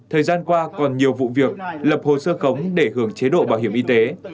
thời gian qua còn nhiều vụ việc lập hồ sơ khống để hưởng chế độ bảo hiểm y tế